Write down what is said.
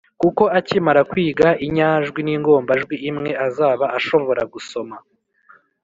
kuko akimara kwiga inyajwi n’ingombajwi imwe, azaba ashobora gusoma